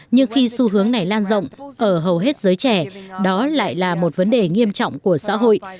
nhưng khi xu hướng này lan rộng ở hầu hết giới trẻ đó lại là một vấn đề nghiêm trọng của xã hội